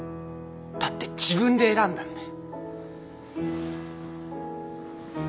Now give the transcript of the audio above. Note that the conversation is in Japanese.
だって自分で選んだんだよ。